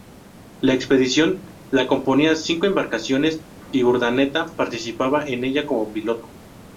La expedición la componían cinco embarcaciones y Urdaneta participaba en ella como piloto.